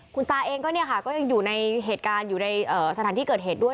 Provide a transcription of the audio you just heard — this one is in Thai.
คุณตาเองก็เนี่ยค่ะก็ยังอยู่ในเหตุการณ์อยู่ในสถานที่เกิดเหตุด้วย